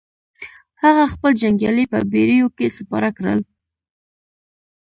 هغه خپل جنګيالي په بېړيو کې سپاره کړل.